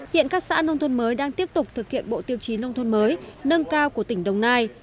hiện các xã nông thôn mới đang tiếp tục thực hiện bộ tiêu chí nông thôn mới nâng cao của tỉnh đồng nai